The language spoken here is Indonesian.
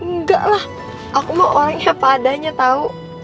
nggak lah aku mah orangnya padanya tahu